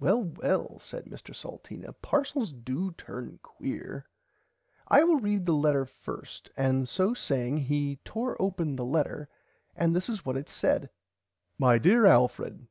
Well well said Mr Salteena parcels do turn quear I will read the letter first and so saying he tore open the letter and this is what it said My dear Alfred.